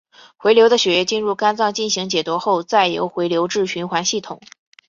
回流的血液进入肝脏进行解毒后再由回流至循环系统。